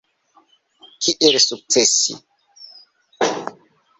Kiel sukcesi?